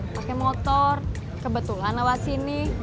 pakai motor kebetulan lewat sini